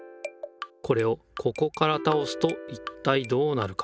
これをここから倒すといったいどうなるか？